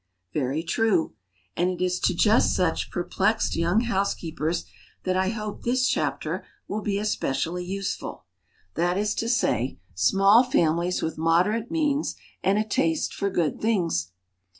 Very true; and it is to just such perplexed young housekeepers that I hope this chapter will be especially useful that is to say, small families with moderate means and a taste for good things.